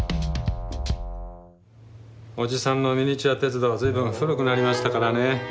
おじさんのミニチュア鉄道随分古くなりましたからね